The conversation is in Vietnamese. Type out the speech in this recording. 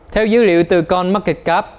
theo dữ liệu từ coinmarketcap